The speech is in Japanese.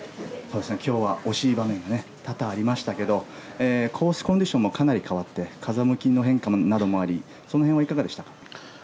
今日は惜しい場面が多々ありましたけれどコースコンディションもかなり変わって風向きの変化などもありその辺はいかがでしたか？